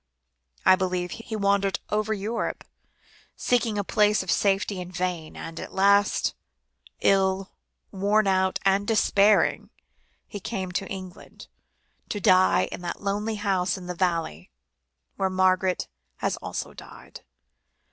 I believe he wandered over Europe, seeking a place of safety in vain, and at last ill, worn out, and despairing he came to England, to die in that lonely house in the valley, where Margaret has also died.